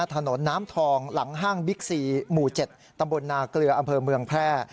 ถนนน้ำทองหลังห้างบิ๊กซีหมู่๗ตำบลนาเกลืออำเภอเมืองแพร่